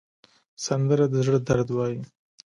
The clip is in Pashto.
سندره د زړه درد وایي